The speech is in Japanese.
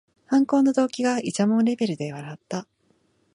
犯行の動機がいちゃもんレベルで笑った